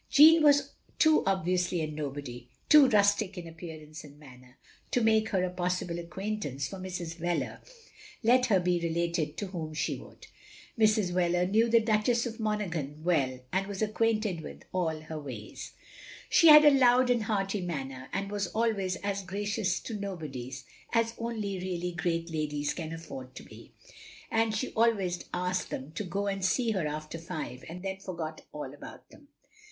Jeanne was too obviously a nobody, too rustic in appearance and manner, to make her a possible acquaintance for Mrs. Wheler, let her be related to whom she would. Mrs. Wheler knew the Duchess of Monaghan well, and was acquainted with all her ways. She had a loud and hearty manner, and was always as gracious to nobodies as only really great ladies can afford to be ; and she always asked them to go and see her after five, and then forgot all about them.